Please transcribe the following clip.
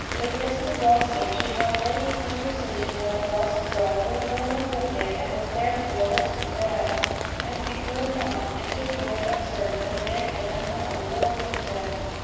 With Mrs Blossom she held many a conversation about the lost girl, who had grown up wicked, and was therefore worse than dead; and before long Mr George observed that Meg had done her a world of good.